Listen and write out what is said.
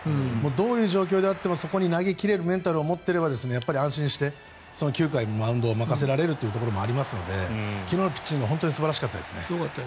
どういう状況でもそこに投げ切れるメンタルを持っていれば安心して９回のマウンドを任せられるところもあるので昨日のピッチングは本当に素晴らしかったです。